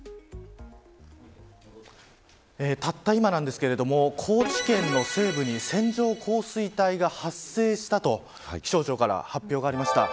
たった今なんですけれども高知県の西部に線状降水帯が発生したと気象庁から発表がありました。